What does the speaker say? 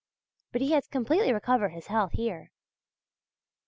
But he has completely recovered his health here.